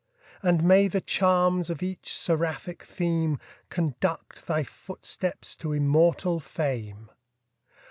And may the charms of each seraphic theme Conduct thy footsteps to immortal fame!